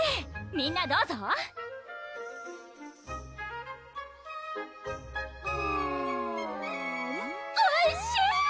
みんなどうぞあんおいしい！